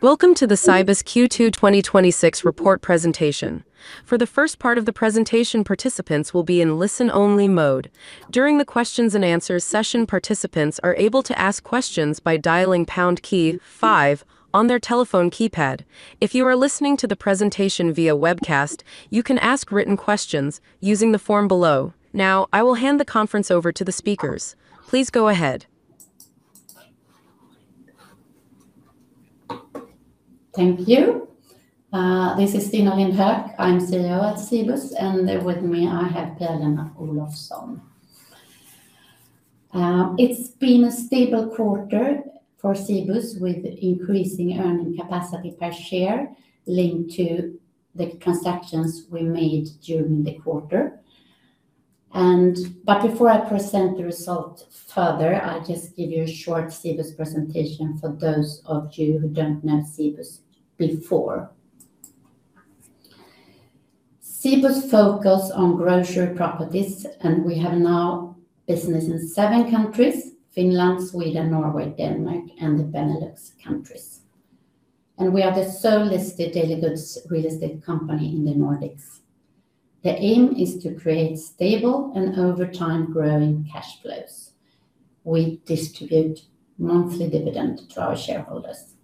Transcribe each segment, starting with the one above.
Welcome to the Cibus Q2 2026 report presentation. For the first part of the presentation, participants will be in listen-only mode. During the questions and answers session, participants are able to ask questions by dialing pound key five on their telephone keypad. If you are listening to the presentation via webcast, you can ask written questions using the form below. Now, I will hand the conference over to the speakers. Please go ahead. Thank you. This is Stina Lindh Hök. I'm CEO at Cibus, and with me, I have Pia-Lena Olofsson. It's been a stable quarter for Cibus, with increasing earning capacity per share linked to the transactions we made during the quarter. Before I present the result further, I just give you a short Cibus presentation for those of you who don't know Cibus before. Cibus focus on grocery properties, we have now business in seven countries, Finland, Sweden, Norway, Denmark, and the Benelux countries. We are the sole listed daily goods real estate company in the Nordics. The aim is to create stable and over time growing cash flows. We distribute monthly dividend to our shareholders.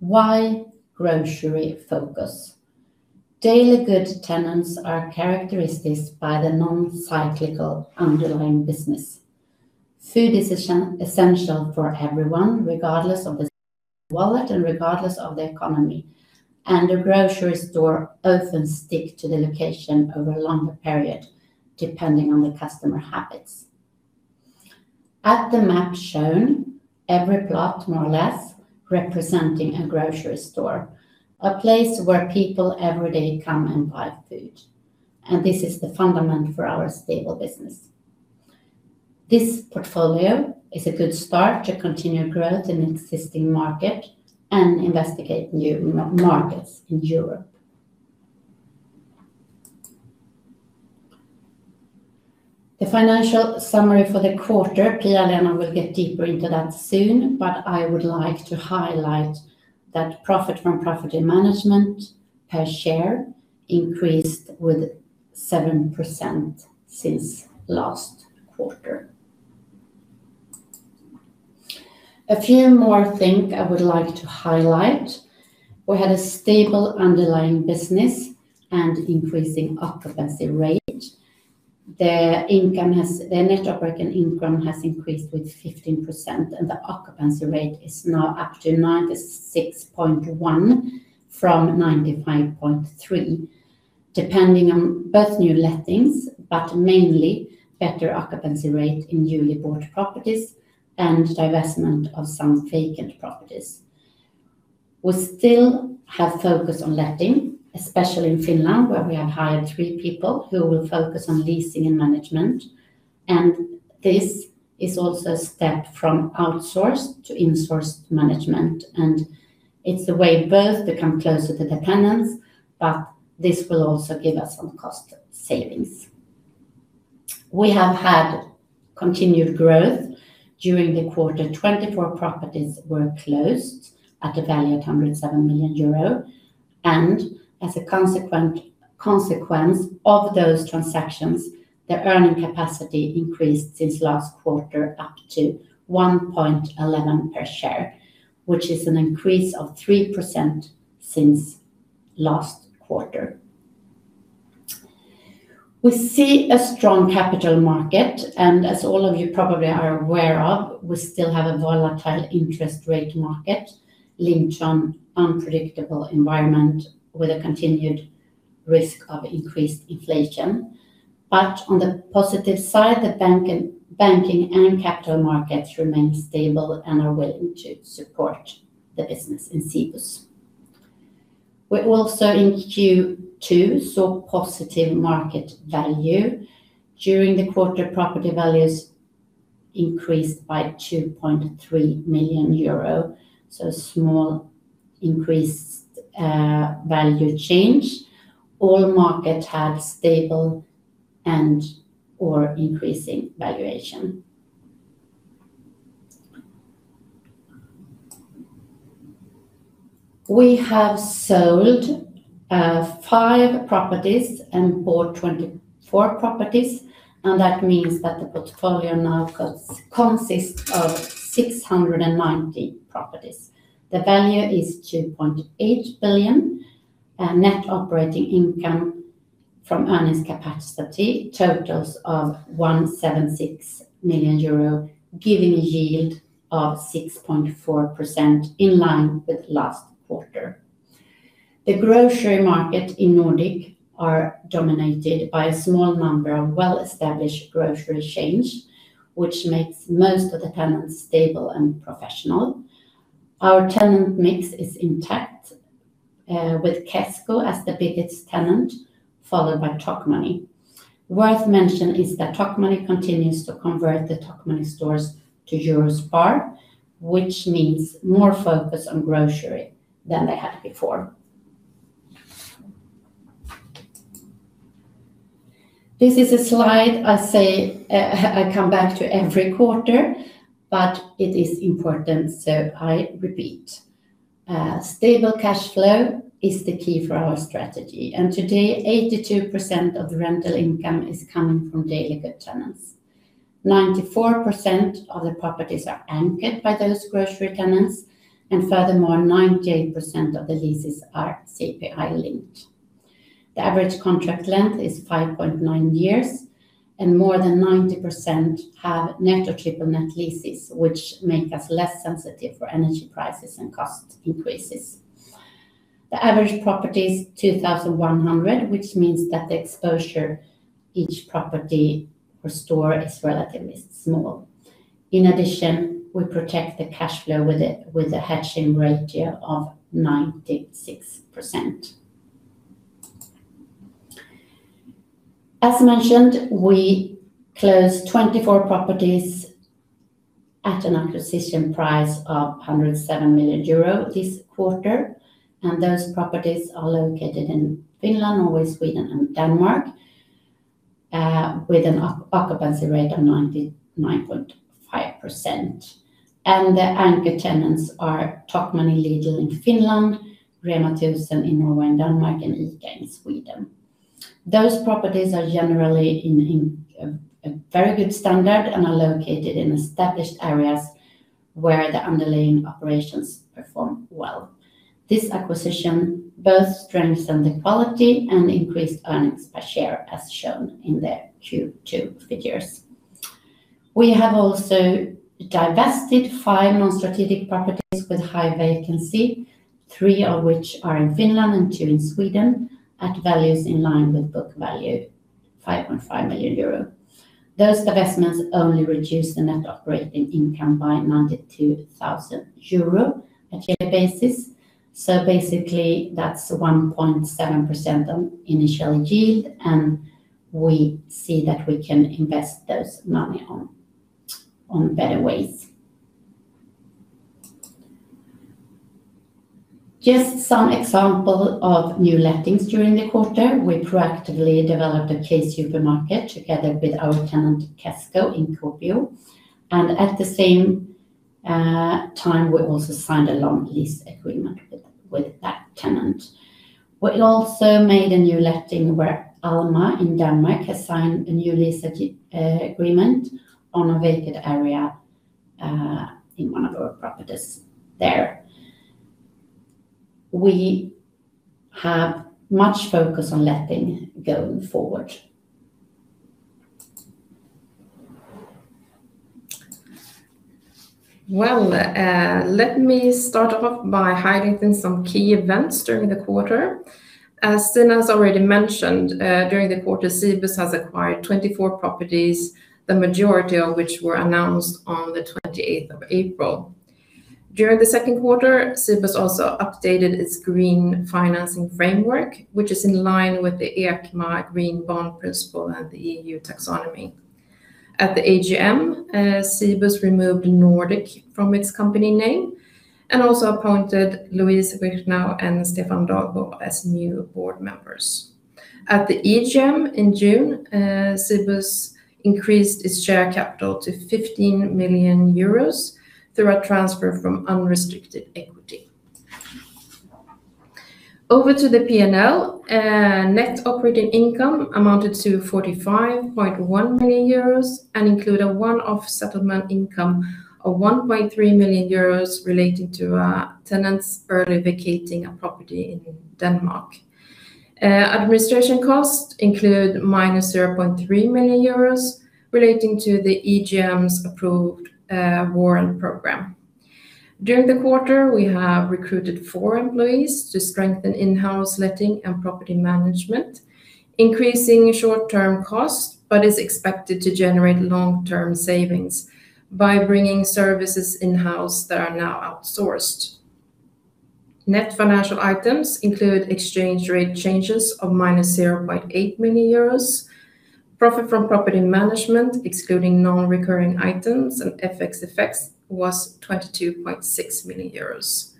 Why grocery focus? Daily good tenants are characteristics by the non-cyclical underlying business. Food is essential for everyone, regardless of the wallet and regardless of the economy, the grocery store often stick to the location over a longer period, depending on the customer habits. At the map shown, every plot, more or less, representing a grocery store, a place where people every day come and buy food. This is the fundament for our stable business. This portfolio is a good start to continue growth in existing market and investigate new markets in Europe. The financial summary for the quarter, Pia-Lena will get deeper into that soon, but I would like to highlight that profit from property management per share increased with 7% since last quarter. A few more thing I would like to highlight. We had a stable underlying business and increasing occupancy rate. The net operating income has increased with 15%, the occupancy rate is now up to 96.1 from 95.3, depending on both new lettings, mainly better occupancy rate in newly bought properties and divestment of some vacant properties. We still have focus on letting, especially in Finland, where we have hired three people who will focus on leasing and management. This is also a step from outsourced to insourced management, it's a way both to come closer to the tenants, this will also give us some cost savings. We have had continued growth during the quarter. 24 properties were closed at a value of 107 million euro. As a consequence of those transactions, the earning capacity increased since last quarter up to 1.11 per share, which is an increase of 3% since last quarter. We see a strong capital market, as all of you probably are aware of, we still have a volatile interest rate market linked on unpredictable environment with a continued risk of increased inflation. But on the positive side, the banking and capital markets remain stable and are willing to support the business in Cibus. We also, in Q2, saw positive market value. During the quarter, property values increased by 2.3 million euro, so small increased value change. All markets have stable and/or increasing valuation. We have sold five properties, bought 24 properties, that means that the portfolio now consists of 690 properties. The value is 2.8 billion. Net operating income from earnings capacity totals of 176 million euro, giving a yield of 6.4%, in line with last quarter. The grocery market in Nordic are dominated by a small number of well-established grocery chains, which makes most of the tenants stable and professional. Our tenant mix is intact, with Kesko as the biggest tenant, followed by Tokmanni. Worth mention is that Tokmanni continues to convert the Tokmanni stores to EUROSPAR, which means more focus on grocery than they had before. This is a slide I come back to every quarter, it is important, so I repeat. Stable cash flow is the key for our strategy. Today, 82% of rental income is coming from daily good tenants. 94% of the properties are anchored by those grocery tenants, furthermore, 98% of the leases are CPI linked. The average contract length is 5.9 years, more than 90% have net or triple net leases, which make us less sensitive for energy prices and cost increases. The average property is 2,100, which means that the exposure each property per store is relatively small. In addition, we protect the cash flow with a hedge ratio of 96%. As mentioned, we closed 24 properties at an acquisition price of 107 million euro this quarter, those properties are located in Finland, Norway, Sweden and Denmark, with an occupancy rate of 99.5%. The anchor tenants are Tokmanni, Lidl in Finland, REMA 1000 in Norway and Denmark, ICA in Sweden. Those properties are generally in a very good standard and are located in established areas where the underlying operations perform well. This acquisition both strengthened the quality and increased earnings per share, as shown in the Q2 figures. We have also divested five non-strategic properties with high vacancy, three of which are in Finland and two in Sweden, at values in line with book value, 5.5 million euro. Those divestments only reduce the net operating income by 92,000 euro a share basis. Basically, that's 1.7% on initial yield, we see that we can invest those money on better ways. Just some example of new lettings during the quarter. We proactively developed a K-Supermarket together with our tenant Kesko in Kuopio, at the same time, we also signed a long lease agreement with that tenant. We also made a new letting where Alma in Denmark has signed a new lease agreement on a vacant area, in one of our properties there. We have much focus on letting go forward. Well, let me start off by highlighting some key events during the quarter. As Stina has already mentioned, during the quarter, Cibus has acquired 24 properties, the majority of which were announced on the 28th of April. During the second quarter, Cibus also updated its Green Financing Framework, which is in line with the ICMA Green Bond Principles and the EU taxonomy. At the AGM, Cibus removed Nordic from its company name and also appointed Louise Richnau and Stefan Dahlbo as new Board Members. At the EGM in June, Cibus increased its share capital to 15 million euros through a transfer from unrestricted equity. Over to the P&L. net operating income amounted to 45.1 million euros and include a one-off settlement income of 1.3 million euros related to our tenants early vacating a property in Denmark. Administration costs include -0.3 million euros relating to the EGM's approved warrant program. During the quarter, we have recruited four employees to strengthen in-house letting and property management, increasing short-term costs, but is expected to generate long-term savings by bringing services in-house that are now outsourced. Net financial items include exchange rate changes of -0.8 million euros. profit from property management, excluding non-recurring items and FX effects, was 22.6 million euros.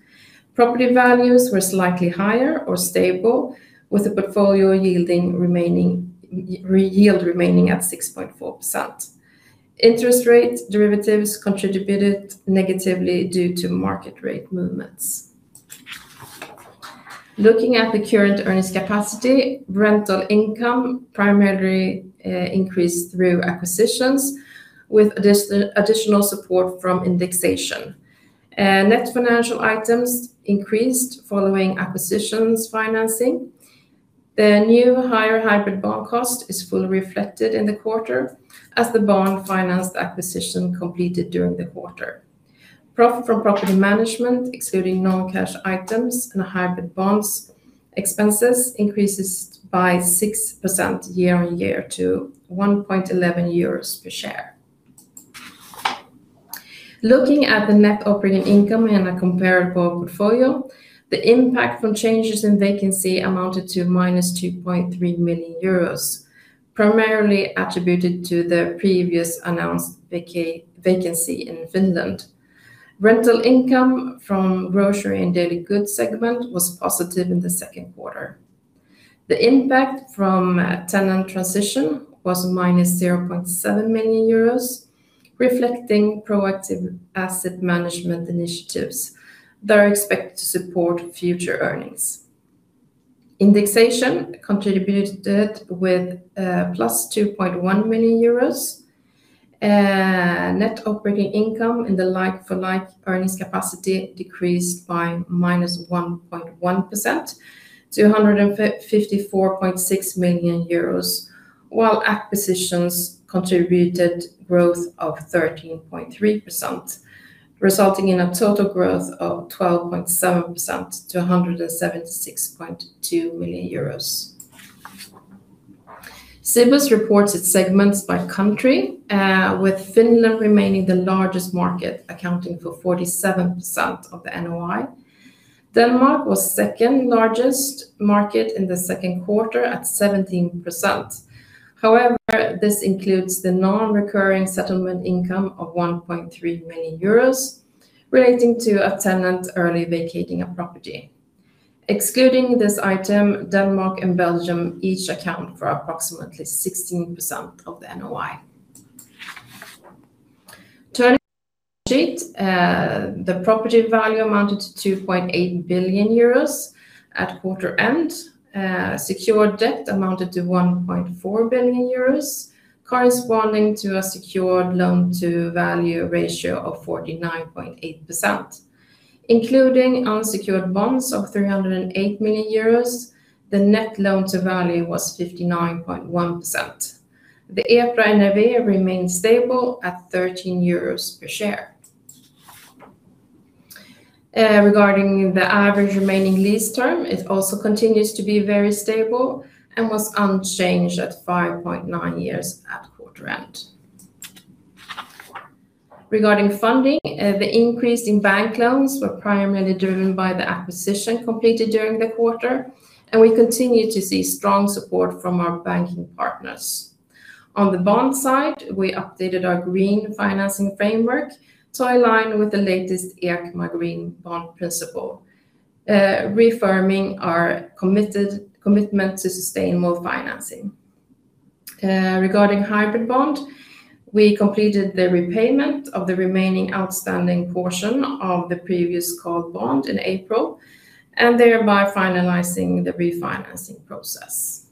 Property values were slightly higher or stable, with the portfolio yield remaining at 6.4%. Interest rate derivatives contributed negatively due to market rate movements. Looking at the current earnings capacity, rental income primarily increased through acquisitions, with additional support from indexation. Net financial items increased following acquisitions financing. The new higher hybrid bond cost is fully reflected in the quarter as the bond financed acquisition completed during the quarter. profit from property management, excluding non-cash items and hybrid bonds expenses, increases by 6% year-over-year to 1.11 euros per share. Looking at the net operating income in a comparable portfolio, the impact from changes in vacancy amounted to -2.3 million euros, primarily attributed to the previous announced vacancy in Finland. Rental income from grocery and daily goods segment was positive in the Q2. The impact from tenant transition was -0.7 million euros, reflecting proactive asset management initiatives that are expected to support future earnings. Indexation contributed with +2.1 million euros. net operating income in the like-for-like earnings capacity decreased by -1.1%, EUR 254.6 million, while acquisitions contributed growth of 13.3%, resulting in a total growth of 12.7% to 176.2 million euros. Cibus reports its segments by country, with Finland remaining the largest market, accounting for 47% of the NOI. Denmark was second largest market in the Q2 at 17%. This includes the non-recurring settlement income of 1.3 million euros relating to a tenant early vacating a property. Excluding this item, Denmark and Belgium each account for approximately 16% of the NOI. Turning to the property value amounted to 2.8 billion euros at quarter end. Secured debt amounted to 1.4 billion euros, corresponding to a secured loan-to-value ratio of 49.8%. Including unsecured bonds of 308 million euros, the net loan-to-value ratio was 59.1%. The EPRA NAV remains stable at 13 euros per share. Regarding the average remaining lease term, it also continues to be very stable and was unchanged at 5.9 years at quarter end. Regarding funding, the increase in bank loans were primarily driven by the acquisition completed during the quarter, and we continue to see strong support from our banking partners. On the bond side, we updated our Green Financing Framework to align with the latest ICMA Green Bond Principles, reaffirming our commitment to sustainable financing. Regarding hybrid bond, we completed the repayment of the remaining outstanding portion of the previous call bond in April, thereby finalizing the refinancing process.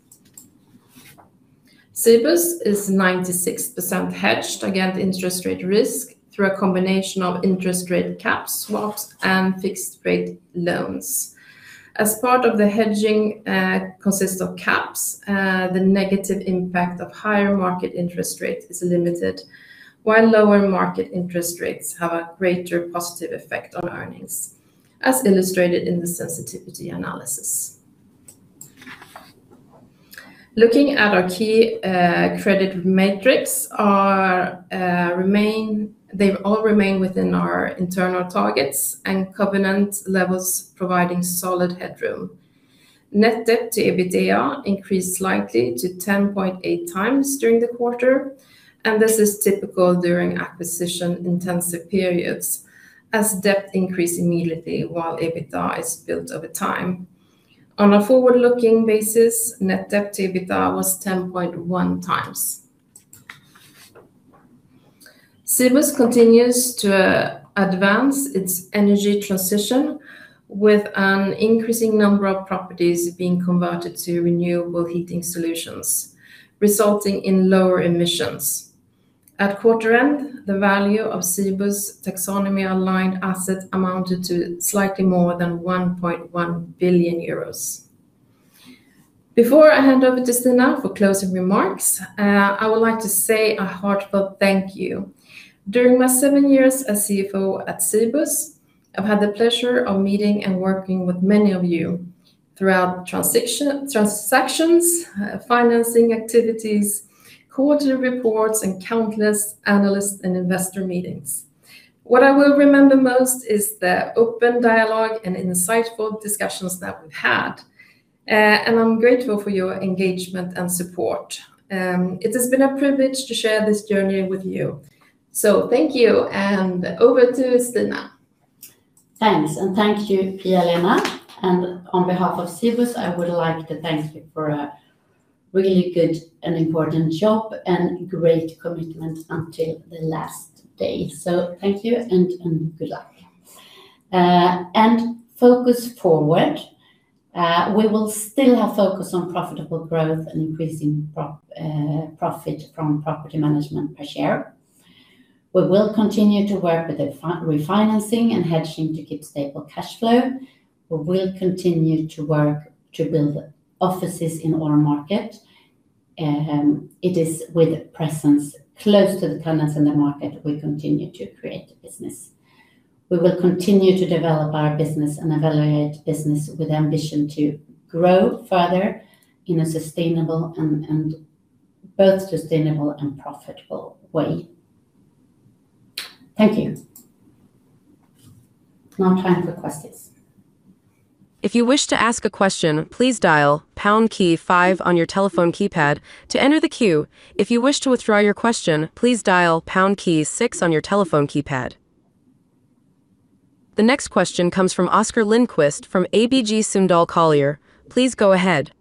Cibus is 96% hedged against interest rate risk through a combination of interest rate cap swaps and fixed-rate loans. As part of the hedging consists of caps, the negative impact of higher market interest rate is limited, while lower market interest rates have a greater positive effect on earnings, as illustrated in the sensitivity analysis. Looking at our key credit metrics, they all remain within our internal targets and covenant levels, providing solid headroom. Net debt to EBITDA increased slightly to 10.8x during the quarter. This is typical during acquisition-intensive periods, as debt increase immediately while EBITDA is built over time. On a forward-looking basis, net debt to EBITDA was 10.1x. Cibus continues to advance its energy transition, with an increasing number of properties being converted to renewable heating solutions, resulting in lower emissions. At quarter end, the value of Cibus taxonomy-aligned assets amounted to slightly more than 1.1 billion euros. Before I hand over to Stina for closing remarks, I would like to say a heartfelt thank you. During my seven years as CFO at Cibus, I've had the pleasure of meeting and working with many of you throughout transactions, financing activities, quarter reports, and countless analyst and investor meetings. What I will remember most is the open dialogue and insightful discussions that we've had. I'm grateful for your engagement and support. It has been a privilege to share this journey with you. Thank you, and over to Stina. Thanks. Thank you, Pia-Lena. On behalf of Cibus, I would like to thank you for a really good and important job and great commitment until the last day. Thank you and good luck. Focus forward. We will still have focus on profitable growth and increasing profit from property management per share. We will continue to work with the refinancing and hedging to keep stable cash flow. We will continue to work to build offices in our market. It is with presence close to the tenants in the market we continue to create business. We will continue to develop our business and evaluate business with ambition to grow further in a both sustainable and profitable way. Thank you. Now time for questions. If you wish to ask a question, please dial #5 on your telephone keypad to enter the queue. If you wish to withdraw your question, please dial #6 on your telephone keypad. The next question comes from Oscar Lindquist from ABG Sundal Collier. Please go ahead.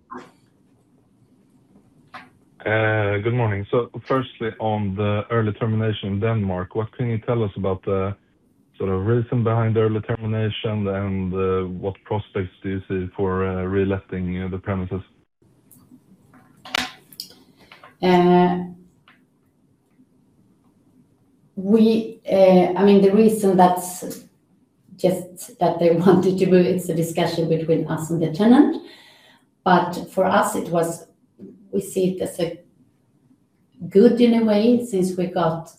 Good morning. Firstly, on the early termination in Denmark, what can you tell us about the reason behind the early termination and what prospects do you see for reletting the premises? The reason that's just that they wanted to move, it's a discussion between us and the tenant. For us, we see it as good in a way, since we got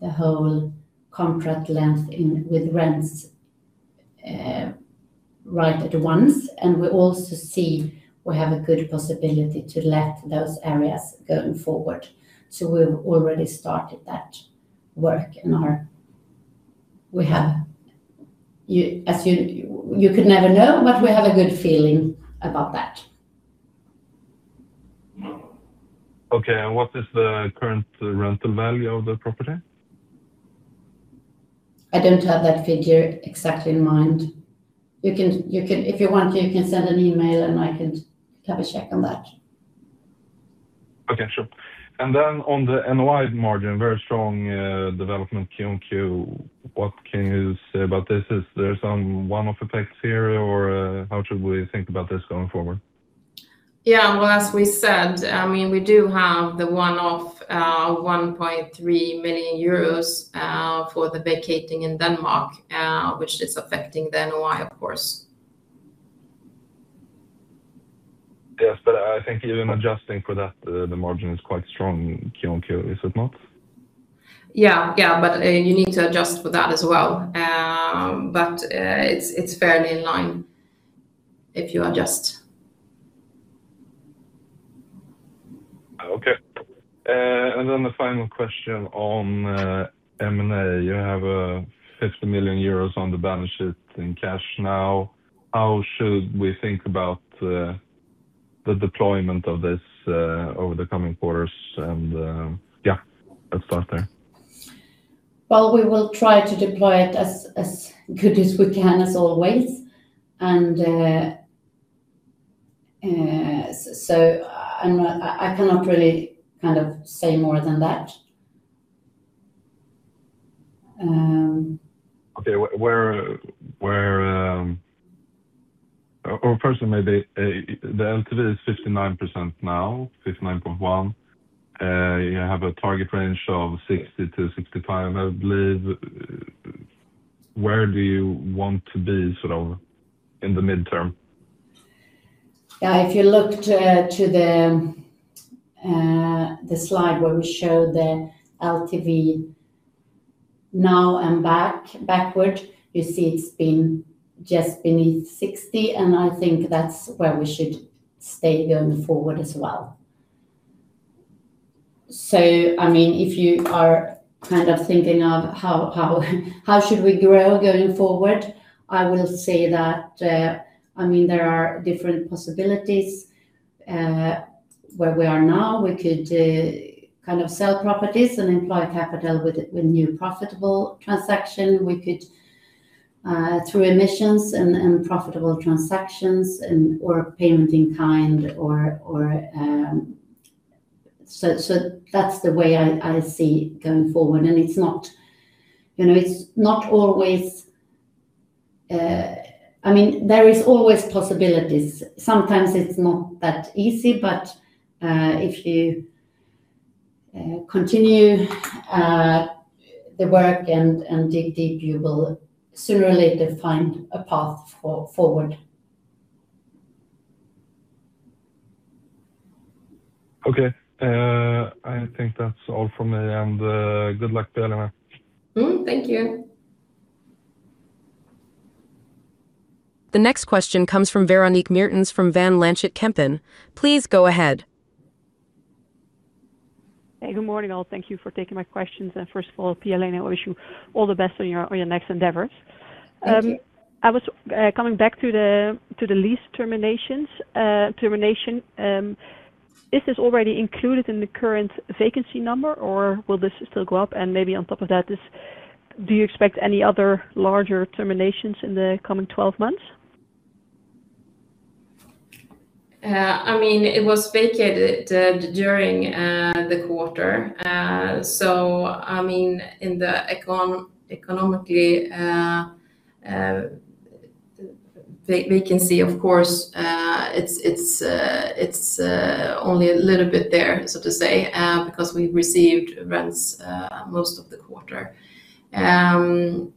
the whole contract length with rents right at once. We also see we have a good possibility to let those areas going forward. We've already started that work. You could never know, but we have a good feeling about that. Okay. What is the current rental value of the property? I don't have that figure exactly in mind. If you want, you can send an email, and I can have a check on that. Okay, sure. On the NOI margin, very strong development Q-on-Q. What can you say about this? Is there some one-off effects here, or how should we think about this going forward? Well, as we said, we do have the one-off 1.3 million euros for the vacating in Denmark, which is affecting the NOI, of course. Yes, I think even adjusting for that, the margin is quite strong Q on Q, is it not? Yeah. You need to adjust for that as well. It's fairly in line if you adjust. Okay. The final question on M&A. You have 50 million euros on the balance sheet in cash now. How should we think about the deployment of this over the coming quarters? Yeah, let's start there. Well, we will try to deploy it as good as we can, as always. I cannot really say more than that. Okay. Firstly maybe, the LTV is 59% now, 59.1%. You have a target range of 60%-65%, I believe. Where do you want to be in the midterm? Yeah. If you looked to the slide where we show the LTV now and backward, you see it's been just beneath 60, and I think that's where we should stay going forward as well. If you are thinking of how should we grow going forward, I will say that there are different possibilities where we are now. We could sell properties and employ capital with new profitable transaction. We could through emissions and profitable transactions and/or payment in kind. That's the way I see going forward. There is always possibilities. Sometimes it's not that easy, but if you continue the work and dig deep, you will sooner or later find a path forward. Okay. I think that's all from me. Good luck, Pia-Lena. Thank you. The next question comes from Véronique Meertens from Van Lanschot Kempen. Please go ahead. Hey, good morning, all. Thank you for taking my questions. First of all, Pia-Lena, I wish you all the best on your next endeavors. Thank you. I was coming back to the lease termination. This is already included in the current vacancy number, or will this still go up? Maybe on top of that is, do you expect any other larger terminations in the coming 12 months? It was vacated during the quarter. In the economically vacancy, of course, it's only a little bit there, so to say, because we received rents most of the quarter. Then,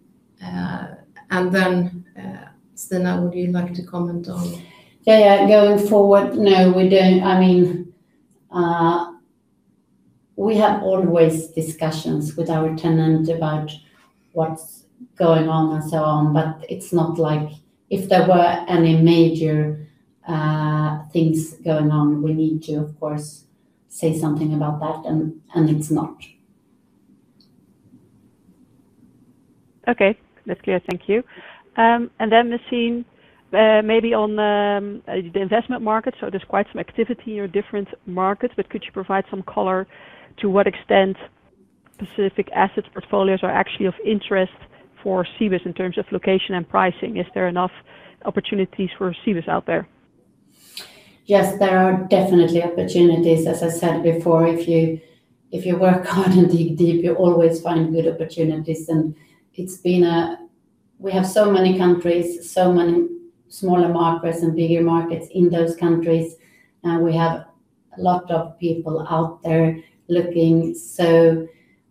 Stina, would you like to comment on? Yeah. Going forward, no, we don't. We have always discussions with our tenant about what's going on and so on. It's not like if there were any major things going on, we need to, of course, say something about that, and it's not. Okay. That's clear. Thank you. Maybe on the investment market. There's quite some activity or different markets, but could you provide some color to what extent specific assets portfolios are actually of interest for Cibus in terms of location and pricing? Is there enough opportunities for Cibus out there? Yes, there are definitely opportunities. As I said before, if you work hard and dig deep, you always find good opportunities. We have so many countries, so many smaller markets and bigger markets in those countries. We have a lot of people out there looking.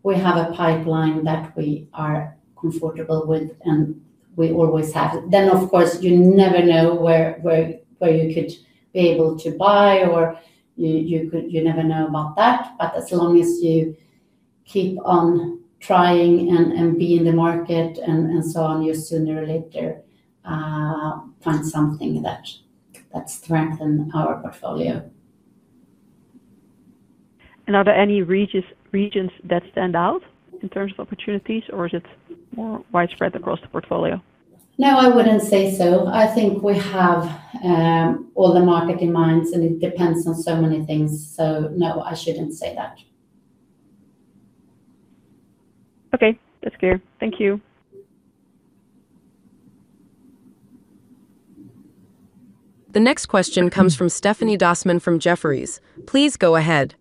We have a pipeline that we are comfortable with and we always have. Of course, you never know where you could be able to buy or you never know about that. As long as you keep on trying and be in the market and so on, you'll sooner or later find something that strengthen our portfolio. Are there any regions that stand out in terms of opportunities, or is it more widespread across the portfolio? No, I wouldn't say so. I think we have all the market in minds, and it depends on so many things. No, I shouldn't say that. Okay, that's clear. Thank you. The next question comes from Stéphanie Dossmann from Jefferies. Please go ahead.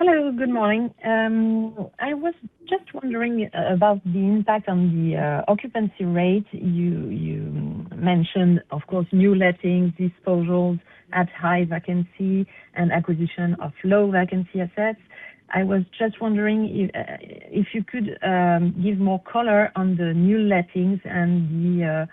Hello, good morning. I was just wondering about the impact on the occupancy rate. You mentioned, of course, new lettings, disposals at high vacancy, and acquisition of low-vacancy assets. I was just wondering if you could give more color on the new lettings and the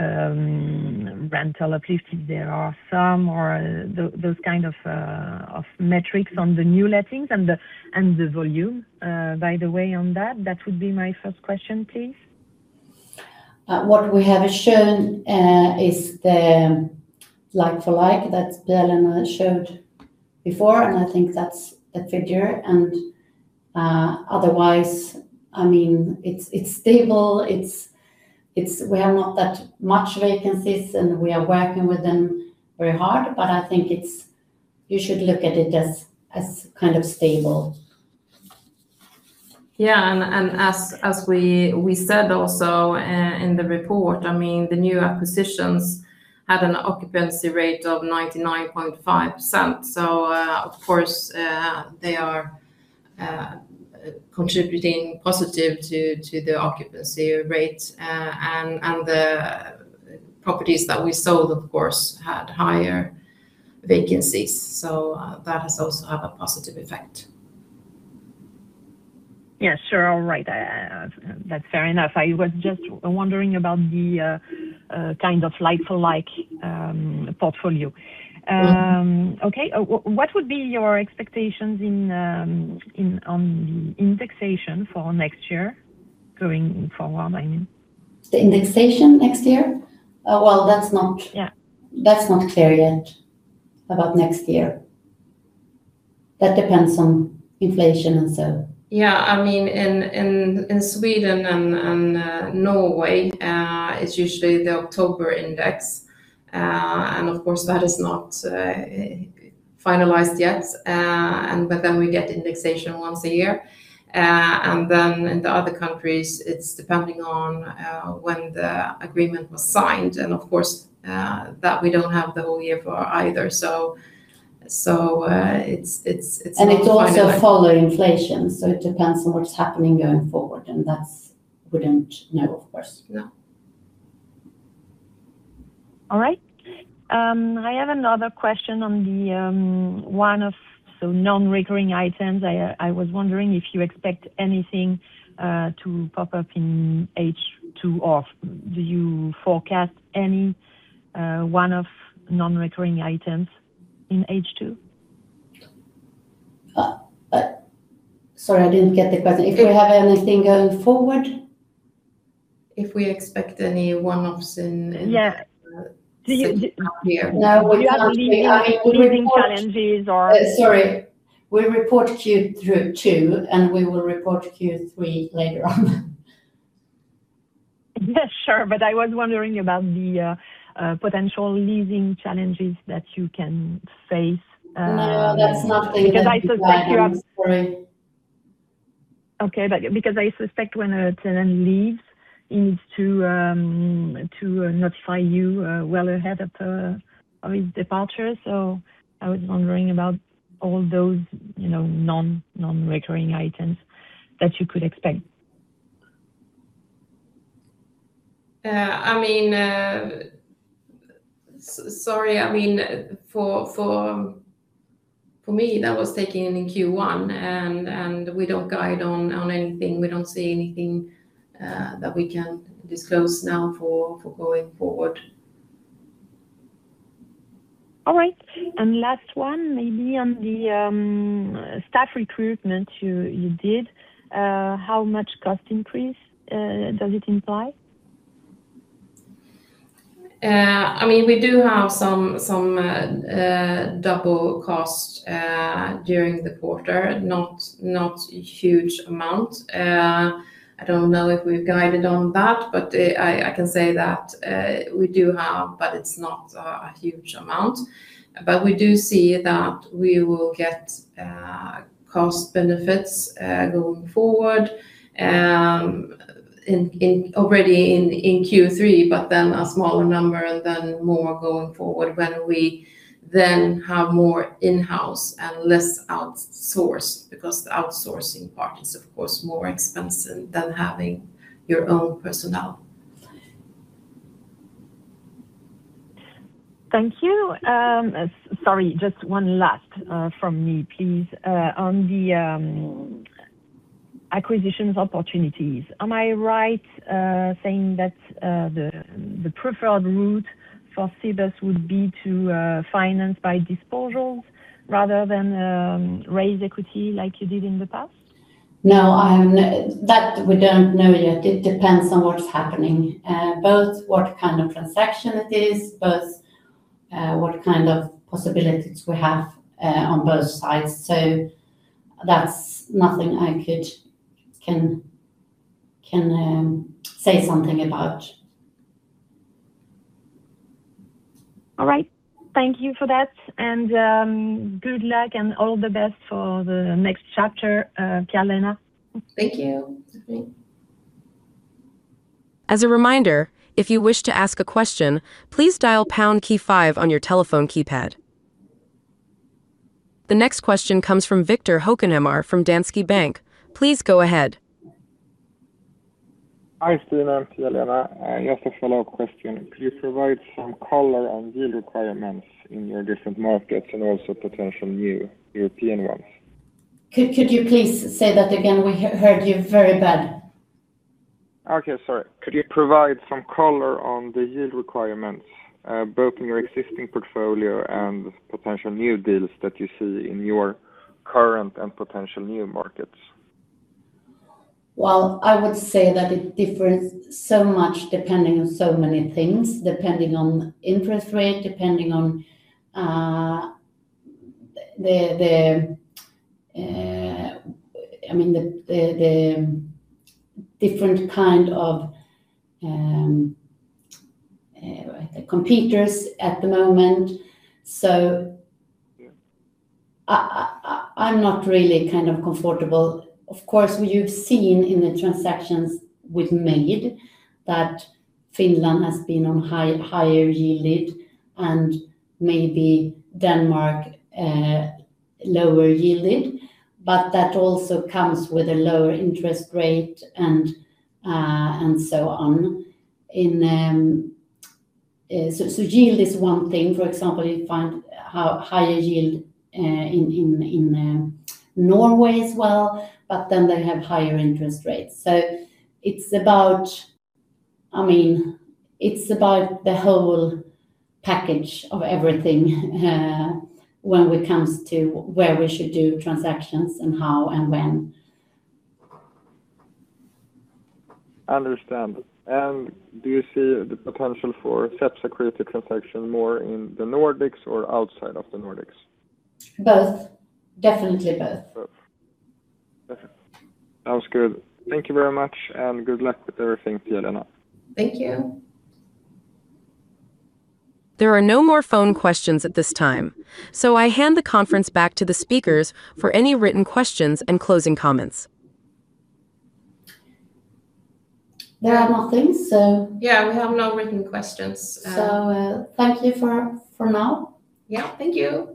rental uplift, if there are some, or those kind of metrics on the new lettings and the volume, by the way, on that? That would be my first question, please. What we have shown is the like-for-like that Pia-Lena showed before. I think that's the figure. Otherwise, it's stable. We have not that much vacancies, and we are working with them very hard, but I think you should look at it as kind of stable. Yeah. As we said also in the report, the new acquisitions had an occupancy rate of 99.5%. Of course, they are contributing positive to the occupancy rate. The properties that we sold, of course, had higher vacancies, so that has also had a positive effect. Yeah, sure. All right. That's fair enough. I was just wondering about the like-for-like portfolio. Yeah. Okay. What would be your expectations on the indexation for next year, going forward, I mean? The indexation next year? Well, that's. Yeah That's not clear yet about next year. That depends on inflation and so. Yeah. In Sweden and Norway, it's usually the October index. Of course, that is not finalized yet. We get indexation once a year. In the other countries, it's depending on when the agreement was signed. Of course, that we don't have the whole year for either. It's not finalized. It also follow inflation, so it depends on what's happening going forward, and that we don't know, of course. No. All right. I have another question on the one-off, so non-recurring items. I was wondering if you expect anything to pop up in H2, do you forecast any one-off non-recurring items in H2? Sorry, I didn't get the question. If we have anything going forward? If we expect any one-offs in- Yeah Not here. No, we don't. Do you have any leasing challenges? Sorry. We report Q2, we will report Q3 later on. Sure. I was wondering about the potential leasing challenges that you can face. No, that's nothing that we plan for. Okay. I suspect when a tenant leaves, he needs to notify you well ahead of his departure. I was wondering about all those non-recurring items that you could expect. Sorry. For me, that was taken in Q1. We don't guide on anything. We don't see anything that we can disclose now for going forward. All right. Last one, maybe on the staff recruitment you did. How much cost increase does it imply? We do have some double cost during the quarter, not huge amount. I don't know if we've guided on that, but I can say that we do have, but it's not a huge amount. We do see that we will get cost benefits going forward, already in Q3, but then a smaller number and then more going forward when we then have more in-house and less outsourced. The outsourcing part is of course more expensive than having your own personnel. Thank you. Sorry, just one last from me, please. On the acquisitions opportunities, am I right saying that the preferred route for Cibus would be to finance by disposals rather than raise equity like you did in the past? No, that we don't know yet. It depends on what's happening. Both what kind of transaction it is, both what kind of possibilities we have on both sides. That's nothing I can say something about. All right. Thank you for that, and good luck and all the best for the next chapter, Pia-Lena. Thank you. As a reminder, if you wish to ask a question, please dial pound key five on your telephone keypad. The next question comes from Viktor Hökenhammar from Danske Bank. Please go ahead. Hi, Stina and Pia-Lena. Just a follow-up question. Could you provide some color on yield requirements in your different markets and also potential new European ones? Could you please say that again? We heard you very bad. Okay. Sorry. Could you provide some color on the yield requirements, both in your existing portfolio and potential new deals that you see in your current and potential new markets? Well, I would say that it differs so much depending on so many things. Depending on interest rate, depending on the different kind of competitors at the moment. I'm not really comfortable. Of course, you've seen in the transactions we've made that Finland has been on higher yield and maybe Denmark lower yield. That also comes with a lower interest rate and so on. Yield is one thing. For example, you find higher yield in Norway as well. They have higher interest rates. It's about the whole package of everything, when it comes to where we should do transactions and how and when. Understand. Do you see the potential for such a creative transaction more in the Nordics or outside of the Nordics? Both. Definitely both. Both. Perfect. Sounds good. Thank you very much, and good luck with everything, Pia-Lena. Thank you. There are no more phone questions at this time. I hand the conference back to the speakers for any written questions and closing comments. There are nothing. Yeah, we have no written questions. Thank you for now. Yeah. Thank you